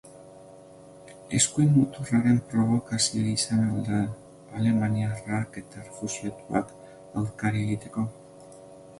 Eskuin muturraren probokazioa izan al da, alemaniarrak eta errefuxiatuak aurkari egiteko?